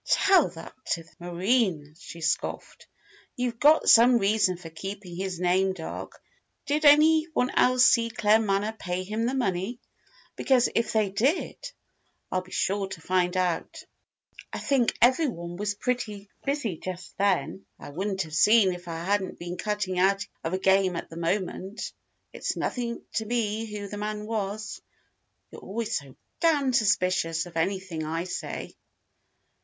"Tell that to the marines!" she scoffed. "You've got some reason for keeping his name dark. Did any one else see Claremanagh pay him the money? Because, if they did, I'll be sure to find out." "I think everyone was pretty busy just then. I wouldn't have seen, if I hadn't been cutting out of a game at the moment. It's nothing to me who the man was. You're always so damned suspicious of anything I say."